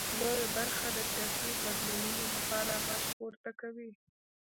لویه برخه د سیاسي بدلونونو لپاره غږ پورته کوي.